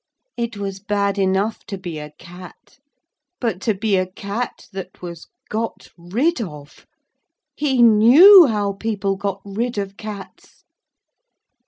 It was bad enough to be a cat, but to be a cat that was 'got rid of'! He knew how people got rid of cats.